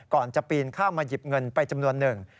ก่อนจะปีนข้ามมาหยิบเงินไปจำนวนหนึ่ง